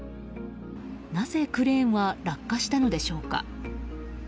なぜクレーンは落下したのでしょうか。